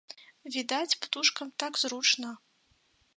Відаць, птушкам так зручна.